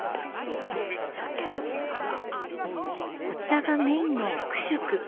こちらがメインのクシュク。